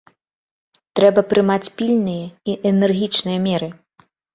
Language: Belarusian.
Трэба прымаць пільныя і энергічныя меры.